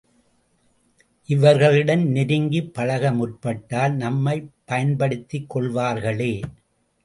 இவர்களிடம் நெருங்கிப் பழக முற்பட்டால் நம்மைப் பயன்படுத்திக் கொள்வார்களே!